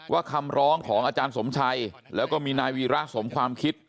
คำร้องของอาจารย์สมชัยแล้วก็มีนายวีระสมความคิด